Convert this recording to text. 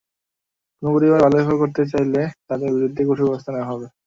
কোনো পরিবার বাল্যবিবাহ করাতে চাইলে তাদের বিরুদ্ধে কঠোর ব্যবস্থা নেওয়া হবে।